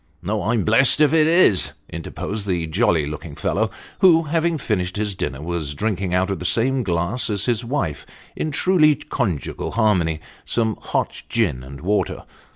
" No ; I'm blessed if it is," interposed the jolly looking fellow, who, having finished his dinner, was drinking out of the same glass as his wife, in truly conjugal harmony, some hot gin and water.